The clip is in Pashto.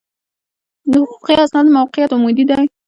د حقوقي اسنادو موقعیت عمودي دی.